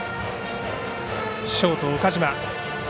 ショート岡島。